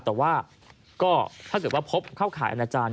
แต่ว่าก็ถ้าเกิดว่าพบเข้าข่ายอนาจารย์